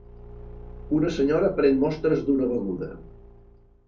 Una senyora pren mostres d'una beguda.